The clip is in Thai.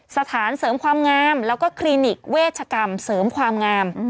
สถานเสริมความงามแล้วก็คลินิกเวชกรรมเสริมความงาม